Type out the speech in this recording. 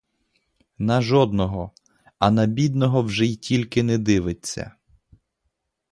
На жодного, а на бідного вже й тільки не дивиться.